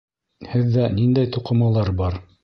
Һеҙҙә ниндәй туҡымалар бар?